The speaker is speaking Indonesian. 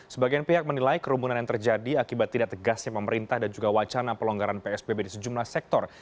sebagian pihak menilai kerumunan yang terjadi akibat tidak tegasnya pemerintah dan juga wacana pelonggaran psbb di sejumlah sektor